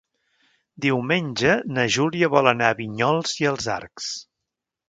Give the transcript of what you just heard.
Diumenge na Júlia vol anar a Vinyols i els Arcs.